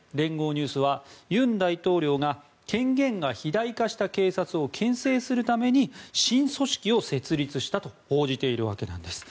ニュースは尹大統領が権限が肥大化した警察を牽制するために新組織を設立したと報じているんです。